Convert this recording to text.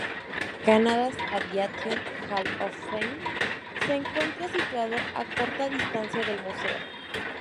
Canada’s Aviation Hall Of Fame se encuentra situado a corta distancia del museo.